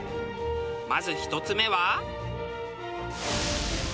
まず１つ目は。